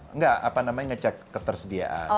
enggak apa namanya ngecek ketersediaan